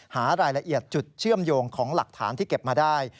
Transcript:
หารายละเอียดจุดเชื่อมโยงของหลักฐานที่เก็บมาได้